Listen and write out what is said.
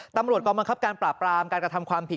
ตำรวจกองบังคับการปราบปรามการกระทำความผิด